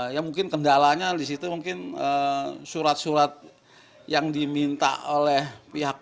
ya mungkin kendalanya disitu mungkin surat surat yang diminta oleh pihak ketiga